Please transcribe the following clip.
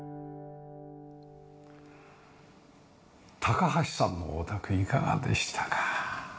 高橋さんのお宅いかがでしたか？